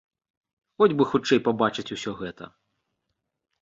Хоць бы хутчэй пабачыць усё гэта!